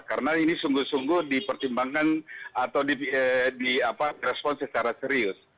karena ini sungguh sungguh dipercimbangkan atau direspon secara serius